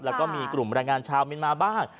แล้วก็มีกลุ่มแรงงานชาวเมียนมาบ้าง